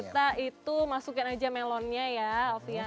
kita itu masukin aja melonnya ya alfian